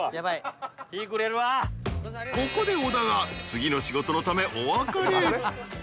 ［ここで小田が次の仕事のためお別れ］